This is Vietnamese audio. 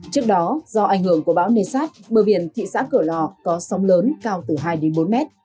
trước đó do ảnh hưởng của báo nesat bờ biển thị xã cửa lò có sóng lớn cao từ hai bốn mét